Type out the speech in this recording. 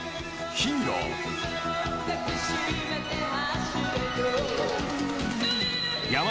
［『ヒーロー』を］